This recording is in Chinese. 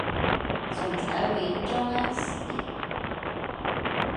总裁为张安喜。